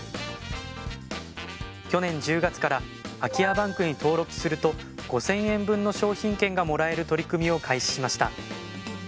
去年１０月から空き家バンクに登録すると５，０００円分の商品券がもらえる取り組みを開始しました。